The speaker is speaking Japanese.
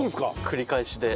繰り返しで。